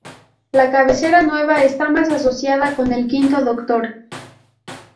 La cabecera nueva está más asociada con el Quinto Doctor.